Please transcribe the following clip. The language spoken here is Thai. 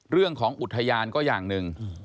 เรื่องของอุทยานก็อย่างหนึ่ง